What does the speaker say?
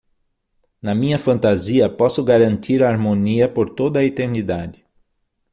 Na minha fantasia, posso garantir a harmonia por toda a eternidade.